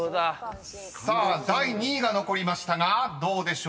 ［さあ第２位が残りましたがどうでしょうか？